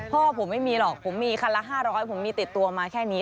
พ่อผมไม่มีหรอกผมมีคันละ๕๐๐ผมมีติดตัวมาแค่นี้